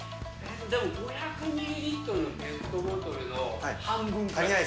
でも、５００ミリリットルのペットボトルの半分くらい。